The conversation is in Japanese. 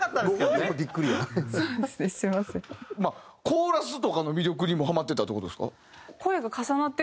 コーラスとかの魅力にもハマってたって事ですか？